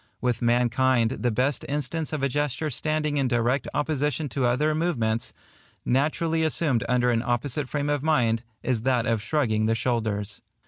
With mankind the best instance of a gesture standing in direct opposition to other movements, naturally assumed under an opposite frame of mind, is that of shrugging the shoulders.